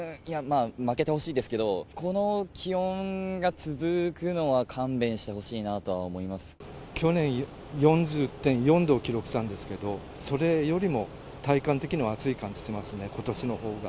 負けてほしいですけれども、この気温が続くのは、勘弁してほ去年、４０．４度を記録したんですけれども、それよりも体感的には暑い感じしてますね、ことしのほうが。